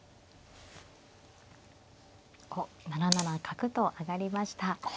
おっ７七角と上がりました。